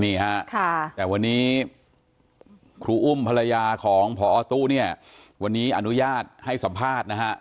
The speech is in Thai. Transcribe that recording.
นี่ฮะแต่วันนี้ครูอุ้มภรรยาของพอตู้เนี่ยวันนี้อนุญาตให้สัมภาษณ์นะฮะ